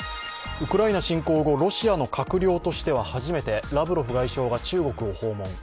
ウクライナ侵攻後、ロシアの閣僚としては初めてラブロフ外相が中国を訪問。